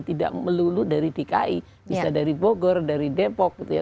tidak melulu dari dki bisa dari bogor dari depok gitu ya